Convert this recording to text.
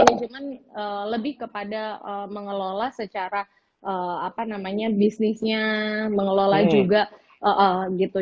nah perannya ip manajemen lebih kepada mengelola secara apa namanya bisnisnya mengelola juga gitu